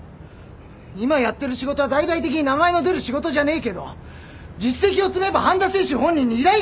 今やってる仕事は大々的に名前の出る仕事じゃねえけど実績を積めば半田清舟本人に依頼が来るようになるから。